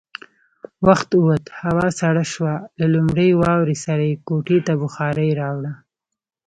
وخت ووت، هوا سړه شوه، له لومړۍ واورې سره يې کوټې ته بخارۍ راوړه.